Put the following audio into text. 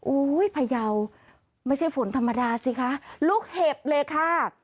พยาวไม่ใช่ฝนธรรมดาสิคะลูกเห็บเลยค่ะ